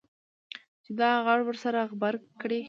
چې دا غږ ورسره غبرګ کړي.